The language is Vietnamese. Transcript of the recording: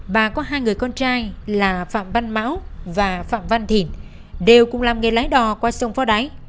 bà có hai người con trai là phạm văn mão và phạm văn thìn đều cùng làm nghề lái đò qua sông phó đáy